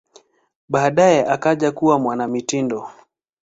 Baadaye akaja kuwa mwanamitindo.